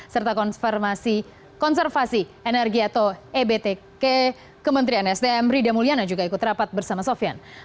serta konservasi energi atau ebtk kementerian sdm rida mulyana juga ikut rapat bersama sofian